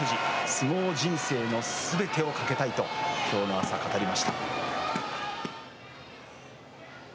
相撲人生のすべてをかけたいときょう朝、語りました。